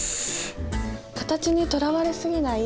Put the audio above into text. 形にとらわれ過ぎない